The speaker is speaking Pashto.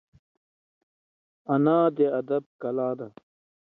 انا د ادب کلا ده